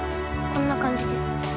こんな感じ？